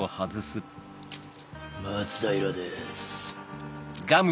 松平です。